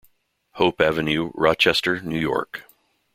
Hope Avenue, Rochester, New York.